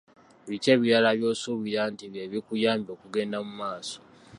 Biki ebirala by'osuubira nti bye bikuyambye okugenda mu maaso?